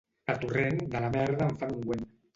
A Torrent, de la merda en fan ungüent.